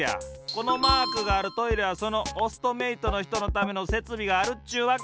このマークがあるトイレはそのオストメイトのひとのためのせつびがあるっちゅうわけ。